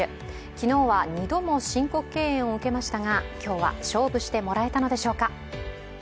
昨日は２度も申告敬遠を受けましたが、今日は勝負してもらえたのでしょうか。